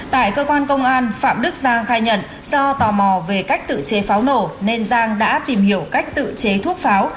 tại cơ quan công an phạm đức giang khai nhận do tò mò về cách tự chế pháo nổ nên giang đã tìm hiểu cách tự chế thuốc pháo